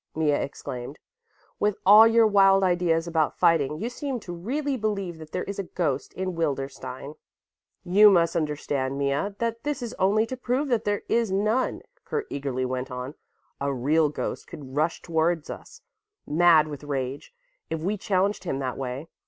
Mea exclaimed. "With all your wild ideas about fighting, you seem to really believe that there is a ghost in Wildenstein." "You must understand, Mea, that this is only to prove that there is none," Kurt eagerly went on. "A real ghost could rush towards us, mad with rage, if we challenged him that way.